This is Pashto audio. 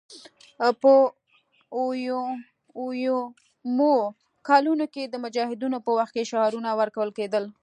په اویایمو کلونو کې د مجاهدینو په وخت کې شعارونه ورکول کېدل